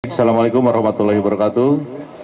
assalamu alaikum warahmatullahi wabarakatuh